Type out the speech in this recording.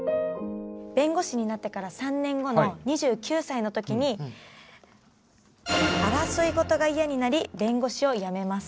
弁護士になってから３年後の２９歳の時に争いごとが嫌になり弁護士を辞めます。